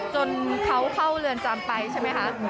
จนเขาเข้าเรือนจำไปใช่ไหมคะ